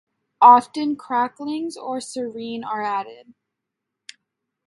Often cracklings or sirene are added.